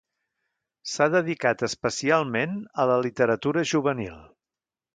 S'ha dedicat especialment a la literatura juvenil.